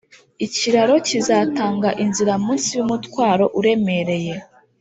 ikiraro kizatanga inzira munsi yumutwaro uremereye.